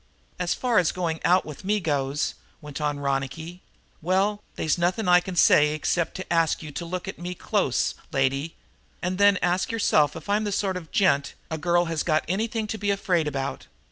"As far as going out with me goes," went on Ronicky, "well, they's nothing I can say except to ask you to look at me close, lady, and then ask yourself if I'm the sort of a gent a girl has got anything to be afraid about.